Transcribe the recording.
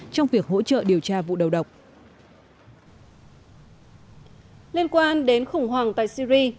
trong việc hỗ trợ điều tra vụ đầu độc liên quan đến khủng hoảng tại syri